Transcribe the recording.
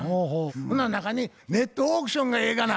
ほな中に「ネットオークションがええがな」